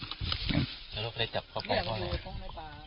แล้วไปจับเขาบอกว่าไง